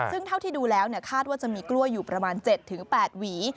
ซึ่งเท่าที่ดูแล้วคาดว่าจะมีกล้วยอยู่ประมาณ๗๘หวี